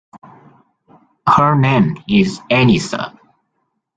Her name is Elisa.